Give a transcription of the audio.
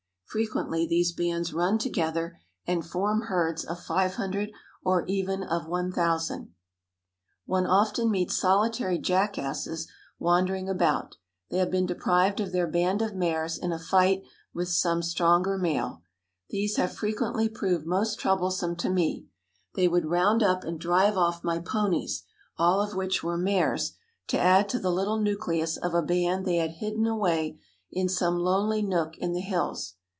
Frequently these bands run together and form herds of 500 or even of 1,000. One often meets solitary jackasses wandering about; they have been deprived of their band of mares in a fight with some stronger male. These have frequently proved most troublesome to me; they would round up and drive off my ponies all of which were mares to add to the little nucleus of a band they had hidden away in some lonely nook in the hills.